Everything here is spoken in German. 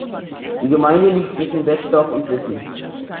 Die Gemeinde liegt zwischen Betzdorf und Wissen.